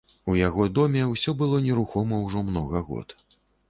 У яго доме ўсё было нерухома ўжо многа год.